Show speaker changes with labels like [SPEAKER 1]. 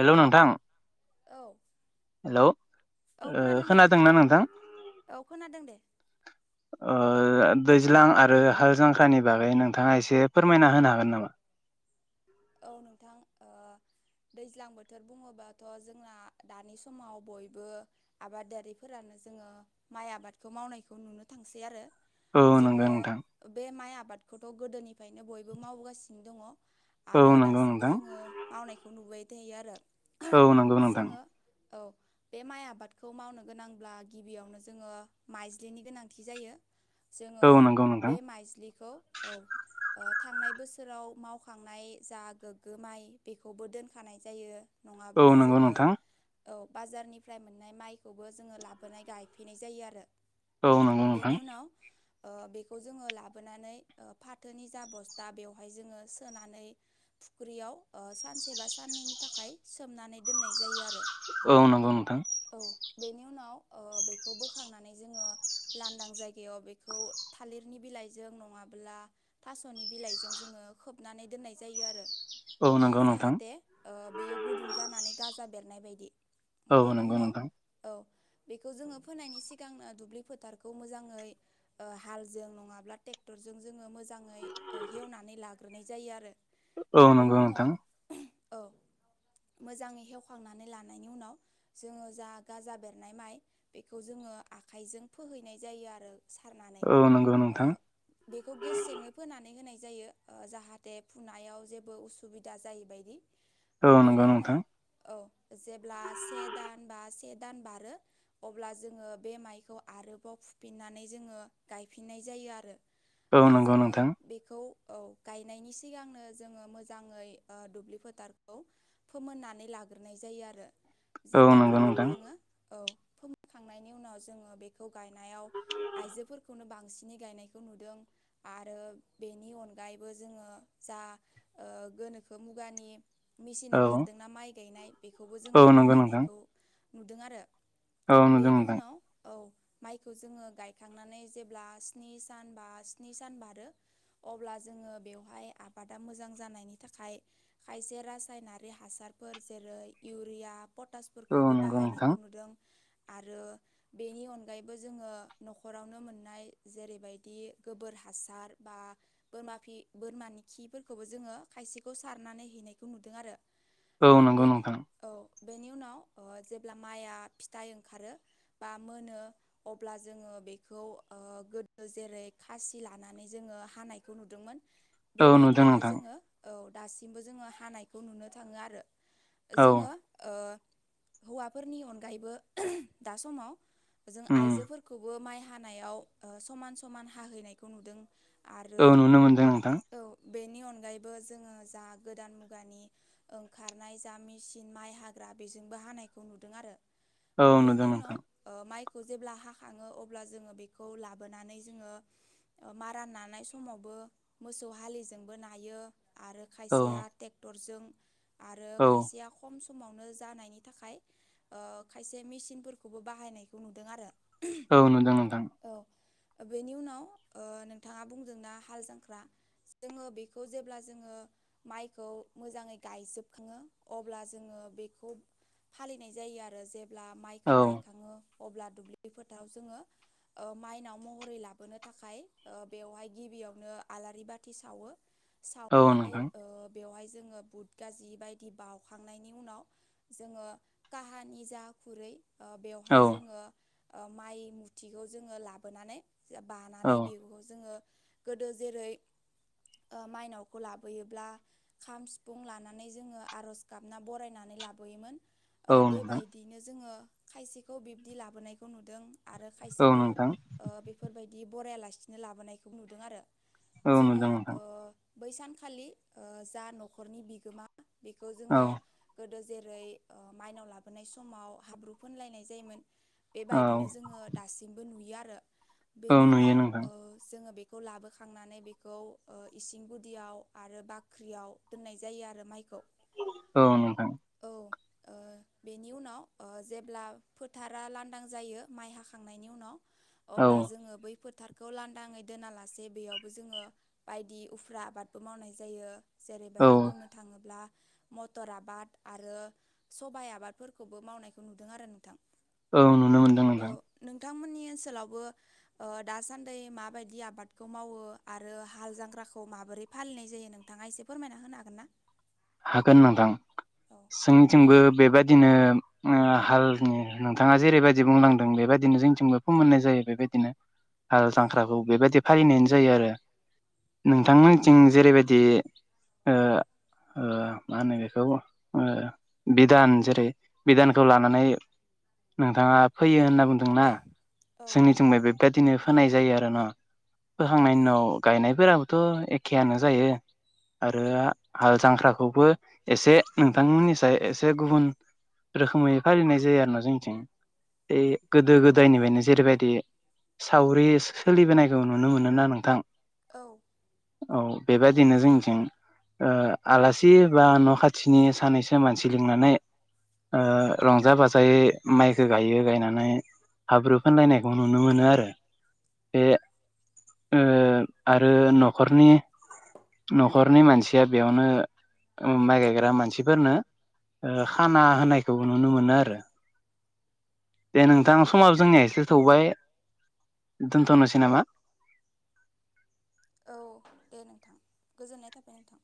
[SPEAKER 1] हेल' नोंथां।
[SPEAKER 2] औ
[SPEAKER 1] हेलौ
[SPEAKER 2] औ
[SPEAKER 1] ओ
[SPEAKER 2] खोनादों दे नोंथां
[SPEAKER 1] खोनादोंना
[SPEAKER 2] औ खोनादों दे।
[SPEAKER 1] [inaudible] ओ दैज्लां आरो हाल जांख्रानि बागै नोंथाङा एसे फोरमायना होनो हागोन नामा?
[SPEAKER 2] औ नोंथां ओ दैज्लां बोथोर बुङोबाथ' जोंना दानि समाव बयबो आबादारिफोरानो जोङो माइ आबादखौ मावनायखौ नुनो थांसै आरो।
[SPEAKER 1] औ
[SPEAKER 2] जोङो
[SPEAKER 1] नंगौ नोंथां
[SPEAKER 2] बे माइ आबादखौथ' गोदोनिफायनो बयबो मावबोगासिनो दङ।
[SPEAKER 1] औ
[SPEAKER 2] आरो
[SPEAKER 1] नंगौ
[SPEAKER 2] दासिमबो
[SPEAKER 1] नोंथां
[SPEAKER 2] जोङो मावनायखौ नुबाय थायो आरो
[SPEAKER 1] औ नंगौ नोंथां
[SPEAKER 2] जोङो औ बे माइ आबादखौ मावनो गोनांब्ला गिबियावनो जोङो माइज्लिनि गोनांथि जायो। जोङो
[SPEAKER 1] औ नंगौ
[SPEAKER 2] बे
[SPEAKER 1] नोंथां
[SPEAKER 2] माइज्लिखौ औ ओ थांनाय बोसोराव मावखांनाय जा गोग्गो माइ बेखौबो दोनखानाय जायो
[SPEAKER 1] औ
[SPEAKER 2] नङाब्ला
[SPEAKER 1] नंगौ
[SPEAKER 2] जोङो
[SPEAKER 1] नोंथां
[SPEAKER 2] औ बाजारनिफ्राय मोननाय माइखौबो जोङो लाबोनाय गायफैनाय जायो आरो।
[SPEAKER 1] औ
[SPEAKER 2] बेनि उनाव ओ बेखौ जोङो लाबोनानै ओ फाथोनि जा बस्था बेवहाय जोङो सोनानै फुख्रियाव ओ सानसेबा साननैनि थाखाय सोमनानै दोननाय जायो आरो।
[SPEAKER 1] औ नंगौ नोंथां।
[SPEAKER 2] औ बेनि उनाव ओ बेखौ बोखांनानै जोङो लानदां जायगायाव बेखौ थालिरनि बिलाइजों नङाब्ला थास'नि बिलाइजों जोङो खोबनानै दोननाय जायो आरो
[SPEAKER 1] औ
[SPEAKER 2] ओ
[SPEAKER 1] नंगौ नोंथां
[SPEAKER 2] जाहाथे ओ बेयो गुदुं जानानै गाजा बेरनाय बायदि
[SPEAKER 1] औ
[SPEAKER 2] बेनि
[SPEAKER 1] नंगौ
[SPEAKER 2] उनाव
[SPEAKER 1] नोंथां
[SPEAKER 2] औ बेखौ जोङो फोनायनि सिगांनो दुब्लि फोथारखौ मोजाङै ओ हालजों नङाब्ला ट्रेक्टरजों जोङो मोजाङै ओ हेवनानै लाग्रोनाय जायो आरो
[SPEAKER 1] औ नंगौ
[SPEAKER 2] बेनि उनाव
[SPEAKER 1] नोंथां
[SPEAKER 2] औ मोजाङै हेवखांनानै लानायनि उनाव जोङो जा गाजा बेरनाय माइ बेखौ जोङो आखाइजों फोहैनाय जायो आरो सारनानै
[SPEAKER 1] औ नंगौ
[SPEAKER 2] अ
[SPEAKER 1] नोंथां
[SPEAKER 2] बेखौ गेसेंयै फोनानै होनाय जायो ओ जाहाथे फुनायाव जेबो उसुबिदा जायैबायदि ओ बेनि उनाव
[SPEAKER 1] औ
[SPEAKER 2] औ जेब्ला से दान बा से दान बारो अब्ला जोङो बे माइखौ आरोबाव फुफिननानै जोङो गायफिननाय जायो आरो। ओ
[SPEAKER 1] नंगौ
[SPEAKER 2] जोङो
[SPEAKER 1] नोंथां
[SPEAKER 2] औ बेखौ गायनायनि सि सिगांनो जोङो मोजाङै ओ दुब्लि फोथारखौ फोमोननानै लाग्रोनाय जायो आरो।
[SPEAKER 1] औ
[SPEAKER 2] जेब्ला
[SPEAKER 1] नंगौ
[SPEAKER 2] फोमोन
[SPEAKER 1] नोंथां
[SPEAKER 2] खाङो औ फोमोनखांनायनि उनाव जोङो बेखौ गायनायाव आइजोफोरखौनो बांसिनै गायनायखौ नुदों। आरो बेनि अनगायैबो जोङो जा ओ गोनोखो मुगानि मेसिन
[SPEAKER 1] औ
[SPEAKER 2] ओंखारदोंना माइ गायनाय बेखौबो जोङो
[SPEAKER 1] नंगौ नोंथां औ नंगौ नोंथां औ नंगौ नोंथां
[SPEAKER 2] बाहायनायखौ नुदों आरो
[SPEAKER 1] औ नंगौ
[SPEAKER 2] बेनि
[SPEAKER 1] नोंथां
[SPEAKER 2] उनाव औ माइखौ जोङो गायखांनानै जेब्ला स्नि सान बा स्नि सान बारो अब्ला जोङो बेवहाय आबादा मोजां जानायनि थाखाय खायसे रासायनारि हासारफोर जेरै इउरिया पटाश
[SPEAKER 1] औ
[SPEAKER 2] फोरखौबो
[SPEAKER 1] नंगौ नोंथां
[SPEAKER 2] बाहायनायखौ नुदों आरो बेनि अनगायैबो जोङो न'खरावनो मोननाय जेरैबायदि गोबोर हासार बा बोरमाखि बोरमानि खिफोरखौबो जोङो खायसेखौ सारनानै हैनायखौ नुदों आरो
[SPEAKER 1] औ नंगौ
[SPEAKER 2] बेनि
[SPEAKER 1] नोंथां
[SPEAKER 2] औ बेनि उनाव ओ जेब्ला माइआ फिथाइ ओंखारो बा मोनो अब्ला जोङो बेखौ गोदो जेरै खासि लानानै जोङो हानायखौ नुदोंमोन।
[SPEAKER 1] औ नुदों
[SPEAKER 2] बेबायदियैनो
[SPEAKER 1] नोंथां
[SPEAKER 2] जोङो औ दासिमबो जोङो हानायखौ नुनो थाङो आरो।
[SPEAKER 1] औ
[SPEAKER 2] जोङो ओ हौवाफोरनि अनगायैबो दा समाव जों
[SPEAKER 1] उम
[SPEAKER 2] आइजोफोरखौबो माइ हानायाव ओ समान‌समान हाहैनायखौ नुदों।
[SPEAKER 1] औ
[SPEAKER 2] आरो
[SPEAKER 1] नुनो मोनदों नोंथां।
[SPEAKER 2] औ बेनि अनगायैबो जोङो जा गोदान मुगानि ओंखारनाय जा मेचिन माइ हाग्रा बेजोंबो हानायखौ नुदों आरो
[SPEAKER 1] औ नुदों
[SPEAKER 2] बेनि
[SPEAKER 1] नोंथां
[SPEAKER 2] उनाव ओ माइखौ जेब्ला हाखाङो अब्ला जोङो बेखौ लाबोनानै जोङो ओ मारा नानाय समावबो मोसौ हालिजोंबो नायो आरो
[SPEAKER 1] औ
[SPEAKER 2] खायसेया टेक्टरजों आरो
[SPEAKER 1] औ
[SPEAKER 2] खायसेया खम समावनो जानायनि थाखाय खायसे मेसिनफोरखौबो बाहायनायखौ नुदों आरो।
[SPEAKER 1] औ नोंथां नोंथां।
[SPEAKER 2] औ बेनि उनाव ओ नोंथाङा बुंदोंना हाल जांख्रा जोङो बेखौ जेब्ला जोङो माइखौ मोजाङै गायजोबखाङो अब्ला जोङो बेखौ फालिनाय जायो आरो जेब्ला माइखौ
[SPEAKER 1] औ
[SPEAKER 2] गायखाङो अब्ला दुब्लि फोथाव जोङो ओ माइनाव महरै लाबोनो थाखाय ओ बेवहाय गिबियावनो आलारि बाथि सावो
[SPEAKER 1] औ
[SPEAKER 2] सावनानै
[SPEAKER 1] नोंथां
[SPEAKER 2] ओ बेवहाय जोङो बुद गाजि बायदि बाउखांनायनि उनाव जोङो काहानि जा खुरै ओ
[SPEAKER 1] औ
[SPEAKER 2] बेवहाय जोङो ओ माइ मुथिखौ जोङो लाबोनानै
[SPEAKER 1] औ
[SPEAKER 2] बानानै बेखौ जोङो गोदो जेरै ओ माइनावखौ लाबोयोब्ला खाम सिफुं लानानै जोङो आरज गाबना बरायनानै लाबोयोमोन। ओ
[SPEAKER 1] औ नोंथां
[SPEAKER 2] बेबायदियैनो जोङो खायसेखौ बिब्दि लाबोनायखौ नुदों आरो
[SPEAKER 1] औ
[SPEAKER 2] खायसेखौ
[SPEAKER 1] नोंथां
[SPEAKER 2] ओ बेफोरबायदि बरायालासिनो लाबोनायखौ नुदों आरो।
[SPEAKER 1] औ
[SPEAKER 2] जोङो
[SPEAKER 1] नुदों नोंथां
[SPEAKER 2] ओ बै सानखालि ओ जा न'खरनि बिगोमा बेखौ
[SPEAKER 1] औ
[SPEAKER 2] जोङो गोदो जेरै ओ माइनाव लाबोनाय समाव हाब्रु फोनलायनाय जायोमोन
[SPEAKER 1] औ
[SPEAKER 2] बेबायदिनो जोङो दासिमबो नुयो आरो
[SPEAKER 1] औ
[SPEAKER 2] बेनि
[SPEAKER 1] नुयो
[SPEAKER 2] उनाव
[SPEAKER 1] नोंथां
[SPEAKER 2] ओ जोङो बे खौ लाबोखांनानै बे खौ ओ इसिं गुदियाव आरो बाख्रियाव दोननाय जायो आरो माइखौ।
[SPEAKER 1] औ नोंथां।
[SPEAKER 2] औ। ओ बेनि उनाव ओ जेब्ला फोथारा लांदां जायो माइ हाखांनायनि उनाव
[SPEAKER 1] औ
[SPEAKER 2] अब्ला जोङो बै फोथारखौ लांदाङै दोनालासे बेयावबो जोङो बायदि उफ्रा आबादबो मावनाय जायो
[SPEAKER 1] औ
[SPEAKER 2] जेरैबायदि बुंनो थाङोब्ला मतर आबाद आरो सबाइ आबादफोरखौबो मावनायखौ नुदों आरो नोंथां।
[SPEAKER 1] औ नुनो मोनदों
[SPEAKER 2] औ
[SPEAKER 1] नोंथां।
[SPEAKER 2] नोंथांमोननि ओनसोलावबो ओ दासान्दै माबायदि आबादखौ मावो आर रो हाल जांख्राखौ माबोरै फालिनाय जायो नोंथाङा एसे फोरमायना होनो हागोन ना?
[SPEAKER 1] हागोन नोंथां
[SPEAKER 2] औ
[SPEAKER 1] सों थिंबो बेबादिनो ओ हालनि नोंथाङा जेरैबायदि बुंलांदों बेबायदिनो जोंथिंबो फोमोननाय जायो बेबायदिनो हाल
[SPEAKER 2] औ
[SPEAKER 1] जांख्राखौ। बेबायदि फालिनायानो जायो आरो नोंथांमोननिथिं जेरैबायदि ओ ओ मा होनो बेखौ ओ बिधान जेरै बिधानखौ लानानै नोंथाङा फैयो होनना बुंदोंना
[SPEAKER 2] औ
[SPEAKER 1] जोंनिथिं मायबा बेदिनो फोनाय जायो आरोना। फोखांनायनि उनाव गायनायफोराबोथ' एखेयानो जायो आरो आ हाल जांख्राखौबो एसे नोंथांमोननिसाय एसे गुबुन रोखोमै फालिनाय जायो आरोना जोंनिथिं बे गोदो गोदायनिफ्रायनो जेरैबायदि सावरि सोलिबोनायखौ नुनो मोनोना नोंथां।
[SPEAKER 2] औ‌।
[SPEAKER 1] औ बेबायादिनो जोंनिथिं ओ आलासि बा न' खाथिनि सानैसो मानसि लिंनानै ओ रंजा बाजायै माइखो गायो गायनानै हाब्रु फोनलायनायखौ नुनो मोनो आरो बे ओ आरो न'खरनि न'खरनि मानसि या बेयावनो माइ गायग्रा मानसिफोरनो ओ खाना होनायखौबो नुनो मोनो आरो। दे नोंथां समाब जोंनिया एसे थौबाय दोनथ'नोसै नामा?
[SPEAKER 2] औ दे नोंथां गोजोननाय थाबाय नोंथां।